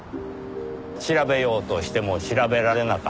調べようとしても調べられなかった。